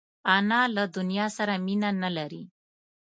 انا له دنیا سره مینه نه لري